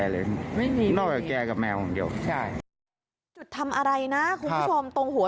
เลี้ยงแมว